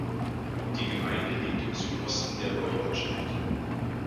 Die Gemeinde liegt im Südosten der Woiwodschaft.